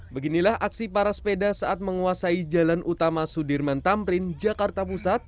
beginilah aksi para sepeda saat menguasai jalan utama sudirman tamrin jakarta pusat